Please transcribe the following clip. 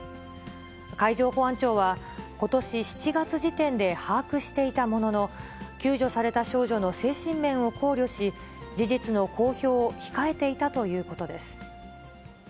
海上保安庁は、ことし７月時点で把握していたものの、救助された少女の精神面を考慮し、事実の公表を控えていたということです。